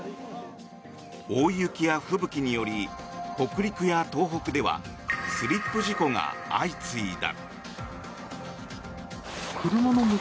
大雪や吹雪により北陸や東北ではスリップ事故が相次いだ。